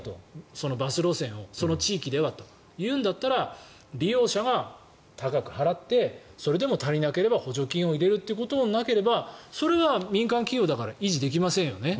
そのバス路線をその地域ではというんだったら利用者が高く払ってそれでも高ければ補助金を入れるということになればそれは民間企業だから維持できませんよね。